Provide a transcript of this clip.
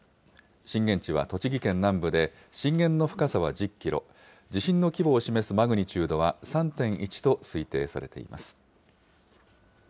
震源地は栃木県南部で、震源の深さは１０キロ、地震の規模を示すマグニチュードは３．１と推定されています。